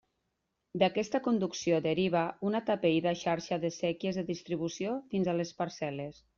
D'aquesta conducció deriva una atapeïda xarxa de séquies de distribució fins a les parcel·les.